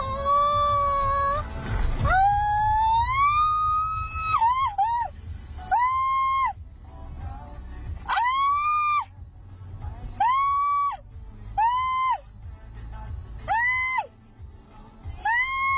นุ่งฟะ